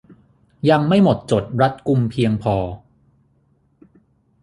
ยังไม่หมดจดรัดกุมเพียงพอ